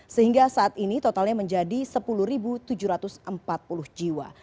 sehingga saat ini totalnya menjadi sepuluh tujuh ratus empat puluh jiwa